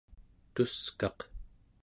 tuskaq